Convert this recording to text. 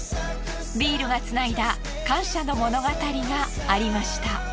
ビールがつないだ感謝の物語がありました。